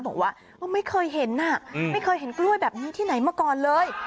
บอกว่าไม่เคยเห็นไม่เคยเห็นกล้วยแบบนี้ที่ไหนมาก่อนเลย